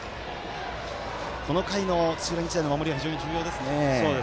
この回の土浦日大の守りは非常に重要ですね。